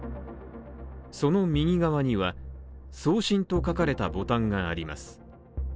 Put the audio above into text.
その右側には、「送信」と書かれたボタンがあります。